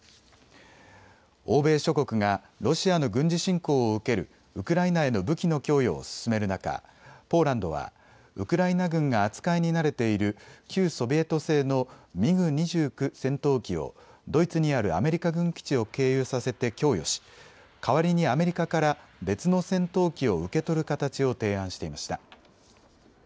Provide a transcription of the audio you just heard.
欧米諸国がロシアの軍事侵攻を受けるウクライナへの武器の供与を進める中、ポーランドはウクライナ軍が扱いに慣れている旧ソビエト製のミグ２９戦闘機をドイツにあるアメリカ軍基地を経由させて供与し代わりにアメリカから別の戦闘機を受け取る形を提案していました。